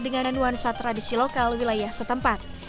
dengan nuansa tradisi lokal wilayah setempat